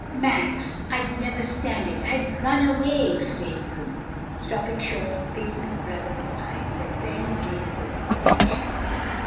'" "Max, I'd never stand it! I'd run away!" exclaimed Lulu, stopping short and facing her brother with eyes that fairly blazed with indignation.